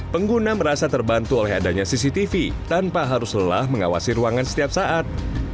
pengguna merasa terbantu oleh adanya cctv tanpa harus lelah mengawasi ruangan setiap saat